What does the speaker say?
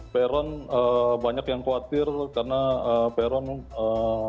peron eee banyak yang khawatir karena eee peron eee